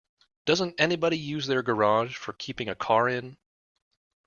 Does anybody use their garage for keeping a car in?